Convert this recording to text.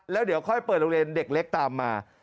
แล้วเดี๋ยวค่อยเปิดโรงเรียนเด็กเล็กตามมา